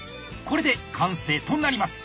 これで完成となります。